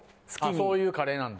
そういうカレーなんだ。